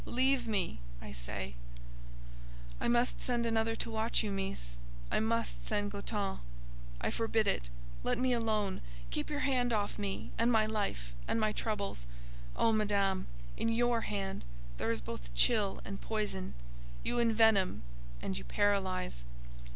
Leave me, I say!" "I must send another to watch you, Meess: I must send Goton." "I forbid it. Let me alone. Keep your hand off me, and my life, and my troubles. Oh, Madame! in your hand there is both chill and poison. You envenom and you paralyze."